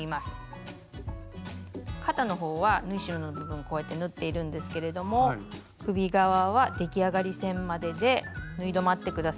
肩のほうは縫い代の部分こうやって縫っているんですけれども首側は出来上がり線までで縫い止まって下さい。